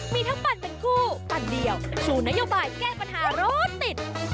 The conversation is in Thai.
มีทั้งปั่นเป็นคู่ปั่นเดียวชูนโยบายแก้ปัญหารถติด